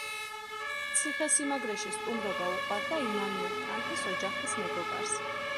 ციხესიმაგრეში სტუმრობა უყვარდა იმანუელ კანტის, ოჯახის მეგობარს.